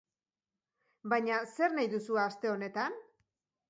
Baina zer nahi duzue aste honetan?